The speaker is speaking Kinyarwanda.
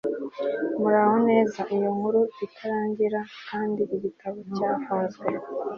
muraho neza iyo inkuru itarangiye kandi igitabo cyafunzwe